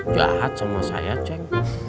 jahat sama saya cek